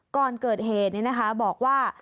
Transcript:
ก่อนเกิดเหตุนี้นะคะบอกว่า